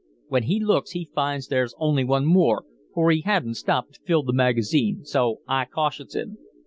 '" When he looks he finds there's only one more, for he hadn't stopped to fill the magazine, so I cautions him.